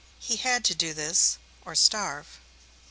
He had to do this, or starve.